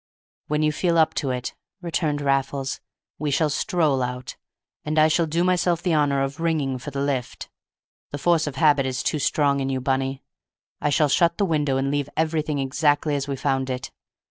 "When you feel up to it," returned Raffles, "we shall stroll out, and I shall do myself the honor of ringing for the lift. The force of habit is too strong in you, Bunny. I shall shut the window and leave everything exactly as we found it.